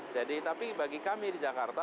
jadi tapi bagi kami di jakarta